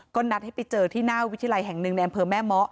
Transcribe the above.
ก็นัดให้ไปเจอที่หน้าวิทยาลัยแห่งหนึ่งในอำเภอแม่เมาะ